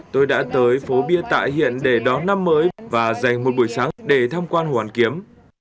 tôi đã tới phố bia tại hiện để đón năm mới và dành một buổi sáng để tham quan hồ hoàn kiếm